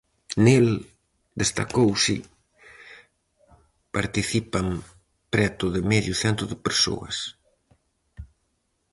Nel, destacouse, participan preto de medio cento de persoas.